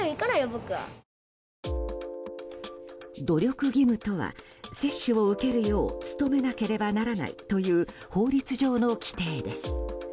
努力義務とは接種を受けるよう努めなければならないという法律上の規定です。